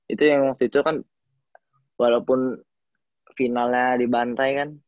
itu yang waktu itu kan walaupun finalnya dibantai kan